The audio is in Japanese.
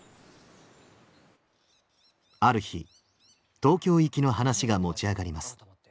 ある日東京行きの話が持ち上がります。